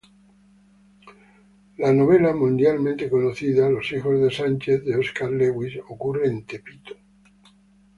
La novela mundialmente conocida "Los hijos de Sánchez", de Oscar Lewis, ocurre en Tepito.